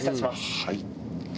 はい。